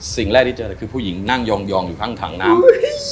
สิ่งแรกที่เจอคือผู้หญิงนั่งยองอยู่ข้างถังน้ำ